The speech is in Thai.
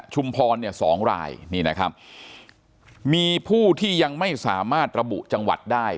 พรเนี่ยสองรายนี่นะครับมีผู้ที่ยังไม่สามารถระบุจังหวัดได้